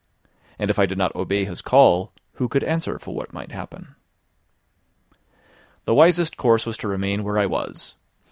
And if I did not obey his call, who could answer for what might happen? The wisest course was to remain where I was.